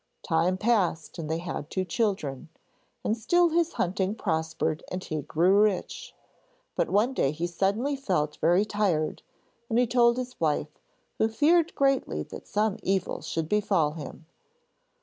Time passed and they had two children, and still his hunting prospered and he grew rich. But one day he suddenly felt very tired and he told his wife, who feared greatly that some evil should befall him.